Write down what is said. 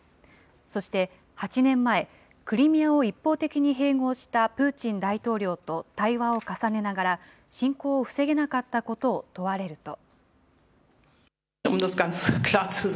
そして、８年前、クリミアを一方的に併合したプーチン大統領と対話を重ねながら、侵攻を防げなかったことを問われると。